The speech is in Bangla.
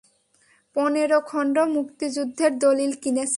পনেরো খণ্ড মুক্তিযুদ্ধের দলিল কিনেছেন।